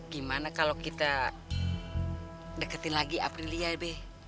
gimana kalau kita deketin lagi aprilia deh